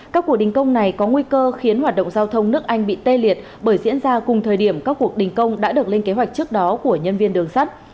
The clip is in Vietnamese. các cuộc đình công này có nguy cơ khiến hoạt động giao thông nước anh bị tê liệt bởi diễn ra cùng thời điểm các cuộc đình công đã được lên kế hoạch trước đó của nhân viên đường sắt